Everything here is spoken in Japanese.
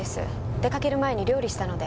出掛ける前に料理したので。